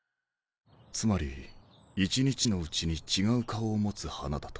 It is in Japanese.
つまり一日のうちに違う顔を持つ花だと？